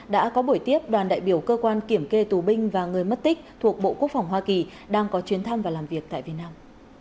đã có buổi tiếp đoàn đại biểu cơ quan kiểm kê tù binh và người mất tích thuộc bộ quốc phòng hoa kỳ đang có chuyến thăm và làm việc tại việt nam